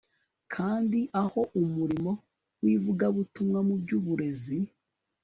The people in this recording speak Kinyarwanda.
kandi aho umurimo wivugabutumwa mu byuburezi